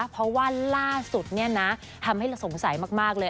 เพราะว่าล่าสุดเนี่ยนะทำให้เราสงสัยมากเลย